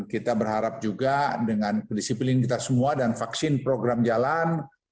tidak ada lagi pertanyaan tentang pemuna moistur gracias di meratakan relatya sendiri